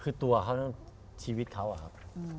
คือตัวเขานั่นชีวิตเขาอะครับ